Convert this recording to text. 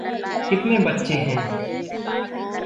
कितने बच्चे हैं?